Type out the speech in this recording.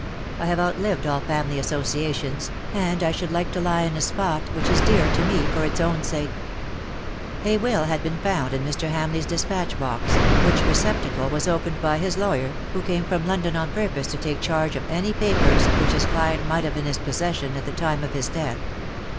I have outlived all family associations^ and I should like to lie in a spot which is dear to me for its own sake.^^ A wiU had been found in Mr. HamleigVs des patch boxj which receptacle was opened by his lawyer, who came from London on purpose to take charge of any papers which his client might have in his possession at the time of his death.